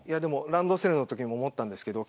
ランドセルのときも思ったんですけれど